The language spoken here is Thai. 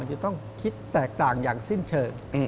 จะต้องคิดแตกต่างอย่างสิ้นเชิง